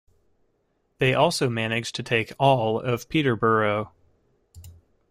They also managed to take all of Peterborough.